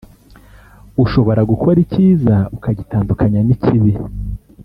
ushobora gukora icyiza ukagitandukanya n’ikibi